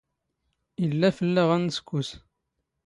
ⵉⵍⵍⴰ ⴼⵍⵍⴰⵖ ⴰⴷ ⵏⵙⴽⴽⵓⵙ.